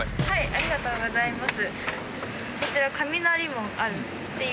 ありがとうございます。